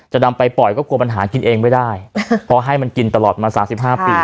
จะดำไปปล่อยก็กลัวปัญหาคิดเองไม่ได้พอให้มันคิดตลอดมาสามสิบห้าปี